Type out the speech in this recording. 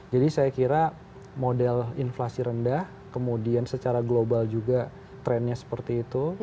jadi saya kira model inflasi rendah kemudian secara global juga trendnya seperti itu